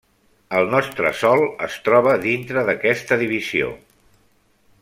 El nostre Sol es troba dintre d'aquesta divisió.